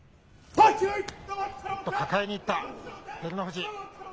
抱えにいった、照ノ富士。